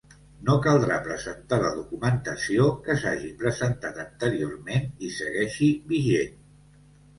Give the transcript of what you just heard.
No caldrà presentar la documentació que s'hagi presentat anteriorment i segueixi vigent.